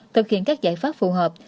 thực hiện các giải pháp phù hợp